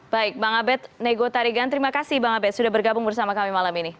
baik bang abed nego tarigan terima kasih bang abed sudah bergabung bersama kami malam ini